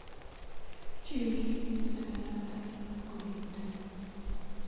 Chile kit ni so koyatak mlagut nito ni